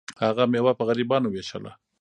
هغه میوه په غریبانو ویشله.